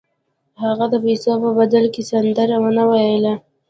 هغه د پیسو په بدل کې سندره ونه ویله